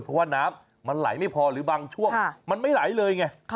เพราะว่าน้ำมันไหลไม่พอหรือบางช่วงมันไม่ไหลเลยไง